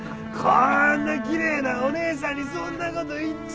こんな奇麗なお姉さんにそんなこと言っちゃ。